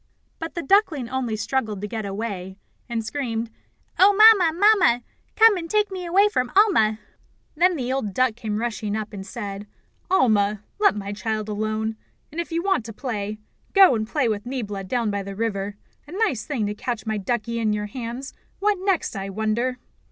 But the duckling only struggled to get away, and screamed: "Oh, Mamma! Mamma! Come and take me away from Alma!" Then the old duck came rushing up, and said: "Alma, let my child alone; and if you want to play, go and play with Niebla down by the river. A nice thing to catch my duckie in your hands what next, I wonder!"